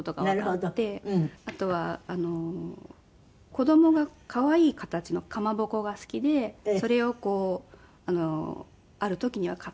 あとは子供が可愛い形のかまぼこが好きでそれをこうある時には買ったりしています。